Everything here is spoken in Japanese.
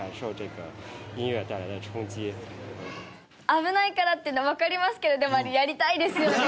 危ないからっていうのはわかりますけどでもあれやりたいですよね。